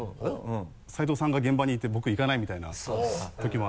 斉藤さんが現場にいて僕行かないみたいなときも。